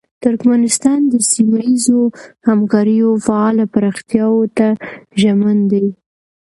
ترکمنستان د سیمه ییزو همکاریو فعاله پراختیاوو ته ژمن دی.